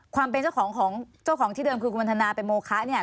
ความเป็นเจ้าของของเจ้าของที่เดิมคือคุณวันทนาเป็นโมคะเนี่ย